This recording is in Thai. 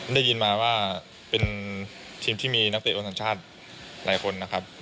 ได้ยินมาว่าเป็นทีมที่มีนักเตะโอนสัญชาติหลายคนนะครับ